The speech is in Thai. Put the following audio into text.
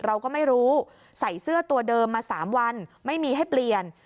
เราก็ไม่รู้ใส่เสื้อตัวเดิมมา๓วันไม่มีให้เปลี่ยน